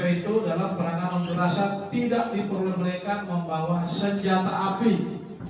dan smp itu dalam perangkan unjuk rasa tidak diperlu mereka membawa senjata api apalagi berpeluru rancang